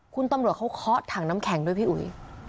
คุณตำรวจเขาเคาะถังน้ำแข็งด้วยพี่อุ๋ย